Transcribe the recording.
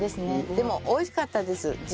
でも美味しかったです。